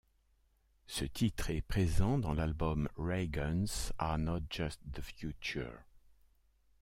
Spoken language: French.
Ce titre est présent dans l'album Ray Guns Are Not Just The Future.